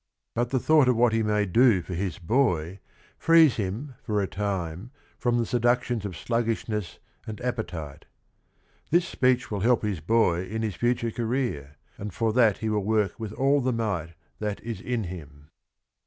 But the thought of what he may do for his boy frees him for a time from the seductions of sluggish ness and appetite. This speech will help his boy in his future career, and for that he will work with all the might that is in him.